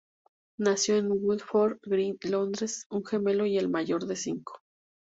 Nació en Woodford Green, Londres, un gemelo y el mayor de cinco.